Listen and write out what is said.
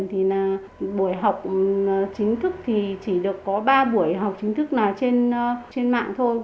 thì là buổi học chính thức thì chỉ được có ba buổi học chính thức nào trên mạng thôi